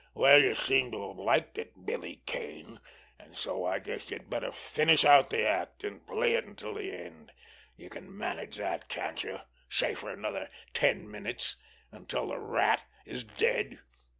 Well, you seem to have liked it—Billy Kane—and so I guess you'd better finish out the act, and play it until the end. You can manage that, can't you—say, for another ten minutes—until the Rat is dead!"